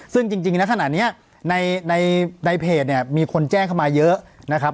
ซึ่งจริงในขณะนี้ในเพจเนี่ยมีคนแจ้งเข้ามาเยอะนะครับ